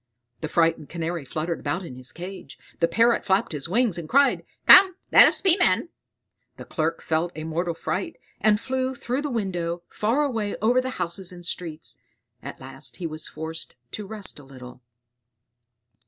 The frightened Canary fluttered about in his cage; the Parrot flapped his wings, and cried, "Come, let us be men!" The Clerk felt a mortal fright, and flew through the window, far away over the houses and streets. At last he was forced to rest a little.